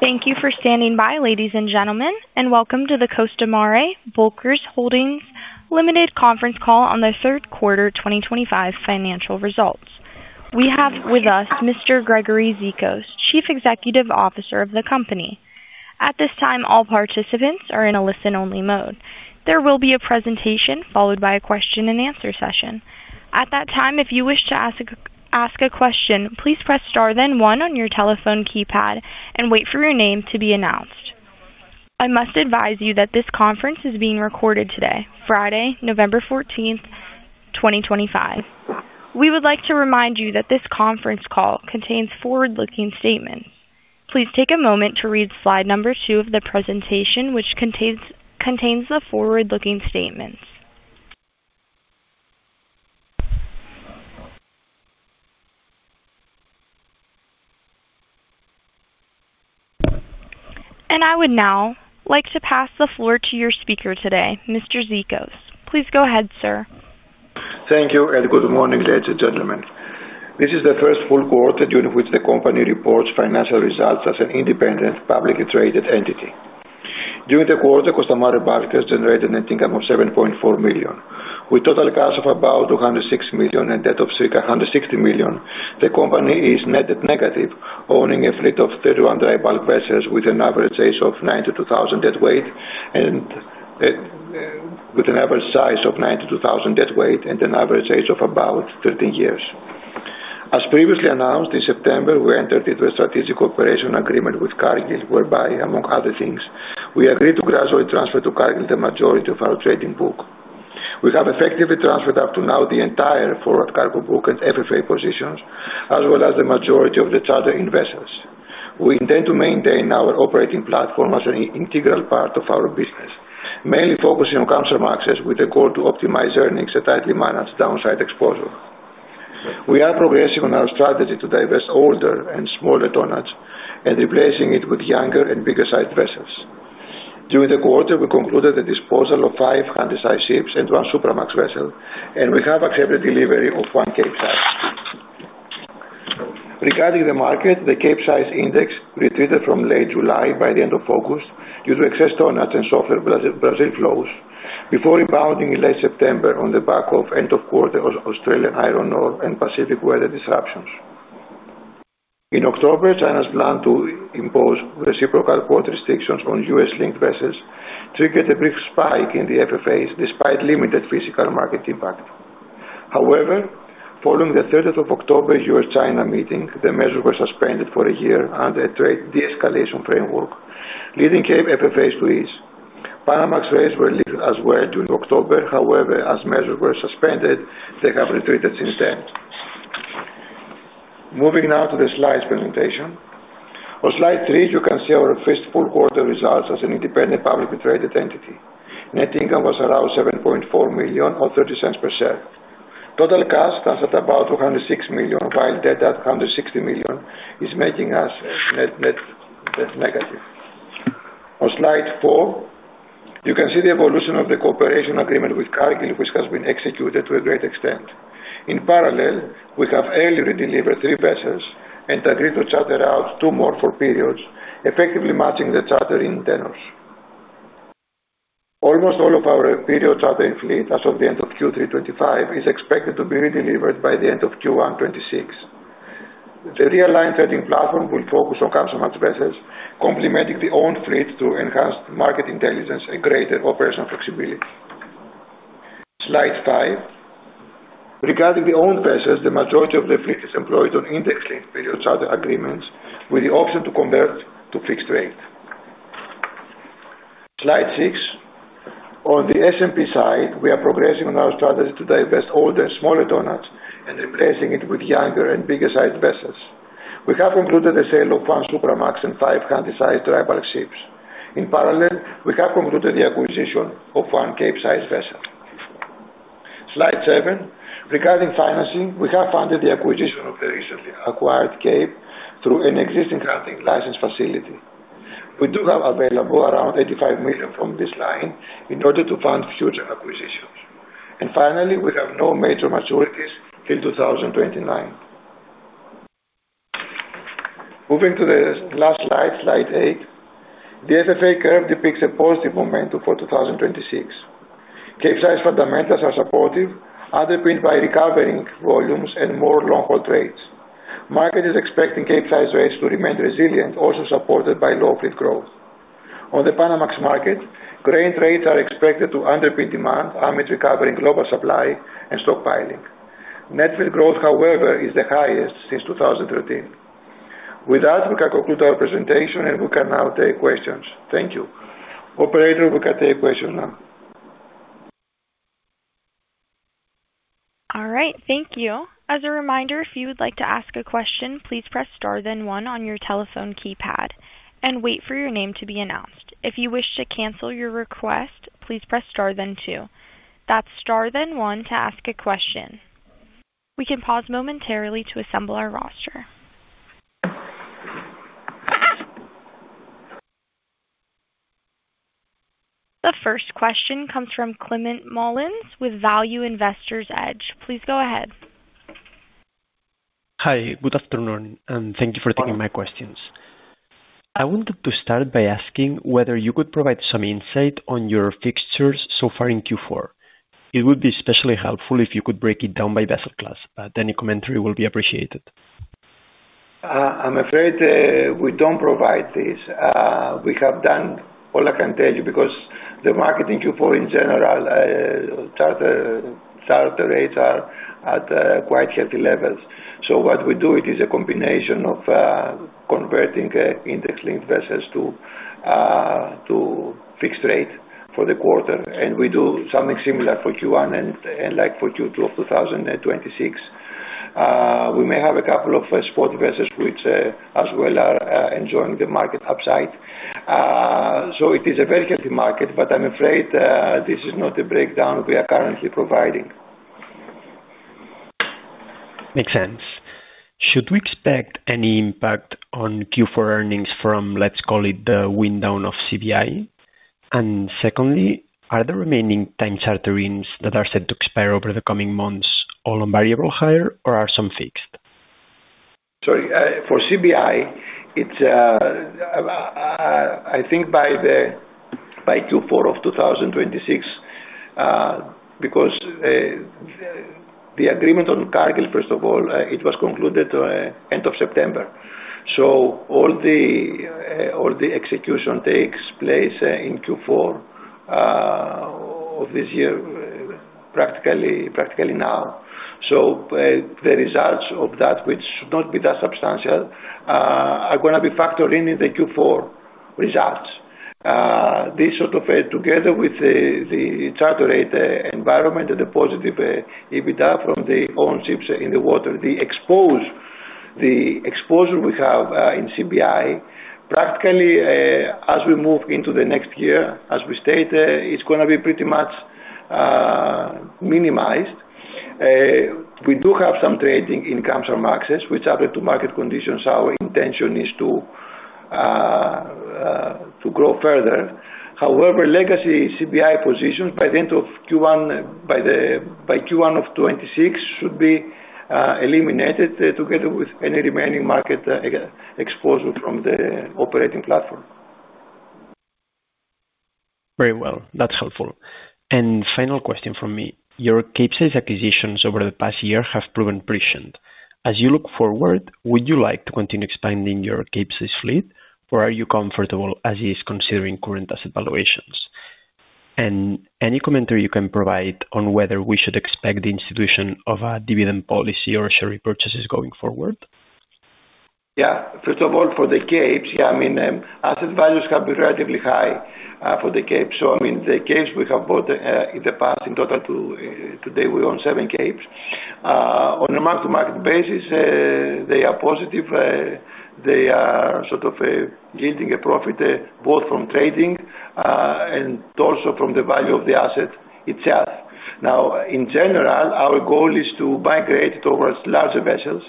Thank you for standing by, ladies and gentlemen, and welcome to the Costamare Bulkers Holdings Limited conference call on the third quarter 2025 financial results. We have with us Mr. Gregory Zikos Chief Executive Officer of the company. At this time, all participants are in a listen-only mode. There will be a presentation followed by a question-and-answer session. At that time, if you wish to ask a question, please press star then one on your telephone keypad and wait for your name to be announced. I must advise you that this conference is being recorded today, Friday, November 14th, 2025. We would like to remind you that this conference call contains forward-looking statements. Please take a moment to read slide number two of the presentation, which contains the forward-looking statements. I would now like to pass the floor to your speaker today, Mr. Zikos. Please go ahead, sir. Thank you, and good morning, ladies and gentlemen. This is the first full quarter during which the company reports financial results as an independent publicly traded entity. During the quarter, Costamare Bulkers generated a net income of 7.4 million. With total cash of about 206 million and debt of circa 160 million, the company is net negative, owning a fleet of 31 dry bulk vessels with an average size of 92,000 deadweight tonnage and an average age of about 13 years. As previously announced, in September, we entered into a strategic cooperation agreement with Cargill whereby, among other things, we agreed to gradually transfer to Cargill the majority of our trading book. We have effectively transferred up to now the entire forward cargo book and FFA positions, as well as the majority of the chartered investors. We intend to maintain our operating platform as an integral part of our business, mainly focusing on consumer access with a goal to optimize earnings and tightly manage downside exposure. We are progressing on our strategy to divest older and smaller tonnage and replacing it with younger and bigger-sized vessels. During the quarter, we concluded the disposal of five Handysize ships and one Supramax vessel, and we have accepted delivery of one Capesize. Regarding the market, the Capesize index retreated from late July by the end of August due to excess tonnage and softer Brazil flows before rebounding in late September on the back of end-of-quarter Australian iron ore and Pacific weather disruptions. In October, China's plan to impose reciprocal port restrictions on U.S.-linked vessels triggered a brief spike in the FFAs despite limited physical market impact. However, following the 30th of October U.S.-China meeting, the measures were suspended for a year under a trade de-escalation framework, leading FFAs to ease. Panamax rates were lifted as well during October. However, as measures were suspended, they have retreated since then. Moving now to the slides presentation. On slide three, you can see our first full quarter results as an independent publicly traded entity. Net income was around 7.4 million or 0.30 per share. Total cash stands at about 206 million, while debt at 160 million is making us net negative. On slide four, you can see the evolution of the cooperation agreement with Cargill, which has been executed to a great extent. In parallel, we have early delivered three vessels and agreed to charter out two more for periods, effectively matching the chartering tenors. Almost all of our period chartering fleet, as of the end of Q3 2025, is expected to be redelivered by the end of Q1 2026. The realigned trading platform will focus on consumer vessels, complementing the owned fleet to enhance market intelligence and greater operational flexibility. Slide five. Regarding the owned vessels, the majority of the fleet is employed on index-linked period charter agreements with the option to convert to fixed rate. Slide six. On the S&P side, we are progressing on our strategy to divest older and smaller tonnage and replacing it with younger and bigger-sized vessels. We have concluded the sale of one Supramax and five Handysize dry bulk ships. In parallel, we have concluded the acquisition of one Capesize vessel. Slide seven. Regarding financing, we have funded the acquisition of the recently acquired Cape through an existing hunting license facility. We do have available around 85 million from this line in order to fund future acquisitions. Finally, we have no major maturities till 2029. Moving to the last slide, slide eight, the FFA curve depicts a positive momentum for 2026. Capesize fundamentals are supportive, underpinned by recovering volumes and more long-haul trades. Market is expecting Capesize trades to remain resilient, also supported by low fleet growth. On the Panamax market, grain trades are expected to underpin demand amid recovering global supply and stockpiling. Net fleet growth, however, is the highest since 2013. With that, we can conclude our presentation, and we can now take questions. Thank you. Operator, we can take questions now. All right. Thank you. As a reminder, if you would like to ask a question, please press star then one on your telephone keypad and wait for your name to be announced. If you wish to cancel your request, please press star then two. That's star then one to ask a question. We can pause momentarily to assemble our roster. The first question comes from Clement Mullins with Value Investors Edge. Please go ahead. Hi, good afternoon, and thank you for taking my questions. I wanted to start by asking whether you could provide some insight on your fixtures so far in Q4. It would be especially helpful if you could break it down by vessel class, but any commentary will be appreciated. I'm afraid we don't provide this. We have done all I can tell you because the market in Q4 in general, charter rates are at quite healthy levels. What we do, it is a combination of converting index-linked vessels to fixed rate for the quarter. We do something similar for Q1 and like for Q2 of 2026. We may have a couple of spot vessels which as well are enjoying the market upside. It is a very healthy market, but I'm afraid this is not the breakdown we are currently providing. Makes sense. Should we expect any impact on Q4 earnings from, let's call it, the wind down of CBI? Secondly, are the remaining time charterings that are set to expire over the coming months all on variable hire, or are some fixed? Sorry. For CBI, I think by Q4 of 2026, because the agreement on Cargill, first of all, it was concluded end of September. All the execution takes place in Q4 of this year, practically now. The results of that, which should not be that substantial, are going to be factored in in the Q4 results. This sort of together with the charter rate environment and the positive EBITDA from the own ships in the water, the exposure we have in CBI, practically as we move into the next year, as we stated, it's going to be pretty much minimized. We do have some trading in consumer access, which are the two market conditions our intention is to grow further. However, legacy CBI positions by the end of Q1 of 2026 should be eliminated together with any remaining market exposure from the operating platform. Very well. That's helpful. Final question from me. Your Capesize acquisitions over the past year have proven prescient. As you look forward, would you like to continue expanding your Capesize fleet, or are you comfortable as is considering current asset valuations? Any commentary you can provide on whether we should expect the institution of a dividend policy or share repurchases going forward? Yeah. First of all, for the Capes, yeah, I mean, asset values have been relatively high for the Capes. I mean, the Capes we have bought in the past in total. Today, we own seven Capes. On a mark-to-market basis, they are positive. They are sort of yielding a profit both from trading and also from the value of the asset itself. Now, in general, our goal is to migrate towards larger vessels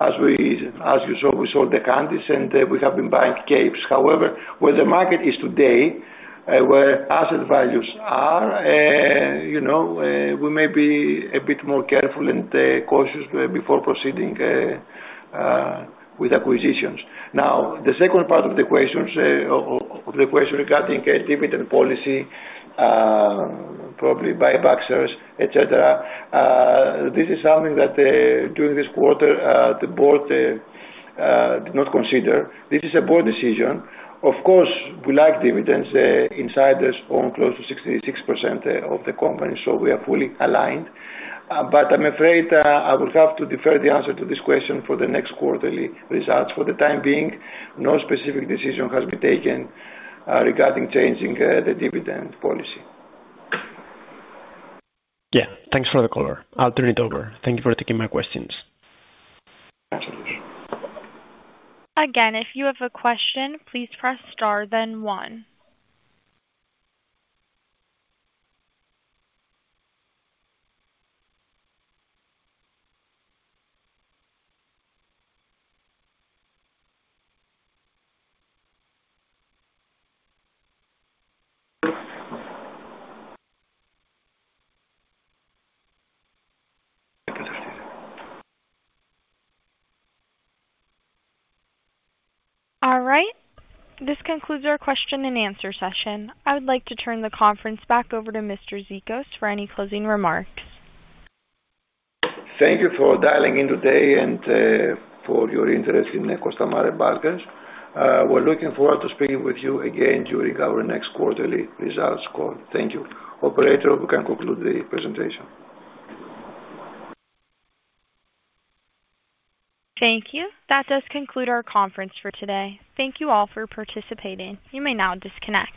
as you saw with all the countries, and we have been buying Capes. However, where the market is today, where asset values are, we may be a bit more careful and cautious before proceeding with acquisitions. Now, the second part of the question regarding dividend policy, probably buybacks, etc., this is something that during this quarter, the board did not consider. This is a board decision. Of course, we like dividends. Insiders own close to 66% of the company, so we are fully aligned. I am afraid I will have to defer the answer to this question for the next quarterly results. For the time being, no specific decision has been taken regarding changing the dividend policy. Yeah. Thanks for the caller. I'll turn it over. Thank you for taking my questions. Again, if you have a question, please press star then one. All right. This concludes our question and answer session. I would like to turn the conference back over to Mr. Zikos for any closing remarks. Thank you for dialing in today and for your interest in Costamare Bulkers. We're looking forward to speaking with you again during our next quarterly results call. Thank you. Operator, we can conclude the presentation. Thank you. That does conclude our conference for today. Thank you all for participating. You may now disconnect.